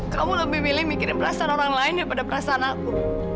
kamu lebih milih mikirin perasaan orang lain daripada perasaan aku